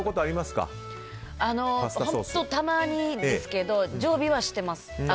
本当たまにですけど常備はしてます。